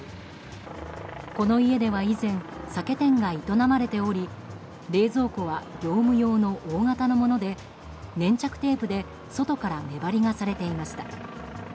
この家では以前酒店が営まれており冷蔵庫は業務用の大型のもので粘着テープで外から目張りがされていました。